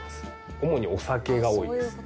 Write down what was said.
主にお酒が多いですね。